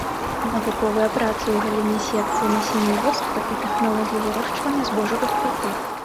Навуковыя працы ў галіне селекцыі насенняводства і тэхналогіі вырошчвання збожжавых культур.